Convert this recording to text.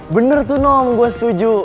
bener tuh nom gue setuju